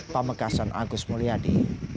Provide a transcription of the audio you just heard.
pamekasan agus mulyadi